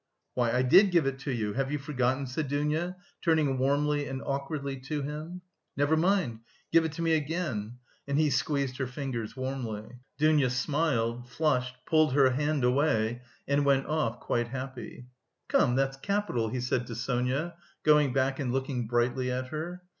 "Why, I did give it to you. Have you forgotten?" said Dounia, turning warmly and awkwardly to him. "Never mind, give it to me again." And he squeezed her fingers warmly. Dounia smiled, flushed, pulled her hand away, and went off quite happy. "Come, that's capital," he said to Sonia, going back and looking brightly at her.